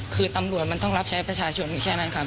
คือตำรวจมันต้องรับใช้ประชาชนอยู่แค่นั้นครับ